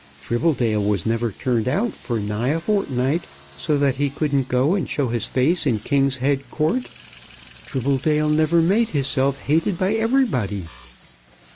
Tribbledale was never turned out for nigh a fortnight, so that he couldn't go and show his face in King's Head Court. Tribbledale never made hisself hated by everybody."